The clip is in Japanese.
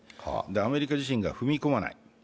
アメリカ自身が踏み込まない。